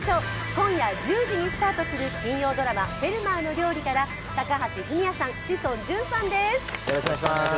今夜１０時にスタートする金曜ドラマ「フェルマーの料理」から高橋文哉さん、志尊淳さんです。